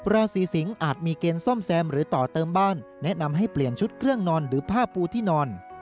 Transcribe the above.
ราศีสิงศ์อาจมีเกณฑ์ซ่อมแซมหรือต่อเติมบ้านแนะนำให้เปลี่ยนชุดเครื่องนอนหรือผ้าปูที่นอน